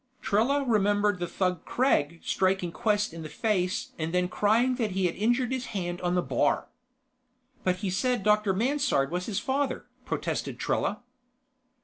Trella remembered the thug Kregg striking Quest in the face and then crying that he had injured his hand on the bar. "But he said Dr. Mansard was his father," protested Trella.